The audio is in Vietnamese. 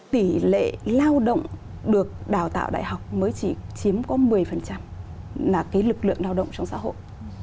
tỷ lệ lao động được đào tạo đại học mới chỉ chiếm có một mươi là lực lượng lao động trong xã hội